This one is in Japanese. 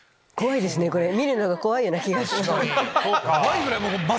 これ見るのが怖いような気がします。